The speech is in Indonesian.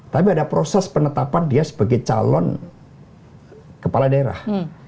tapi ada proses penetapan dia sebagai calon kepala daerah